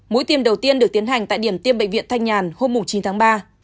mũi tiêm đầu tiên được tiến hành tại điểm tiêm bệnh viện thanh nhàn hôm chín tháng ba